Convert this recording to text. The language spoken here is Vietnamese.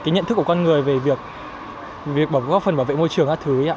nhận thức của con người về việc góp phần bảo vệ môi trường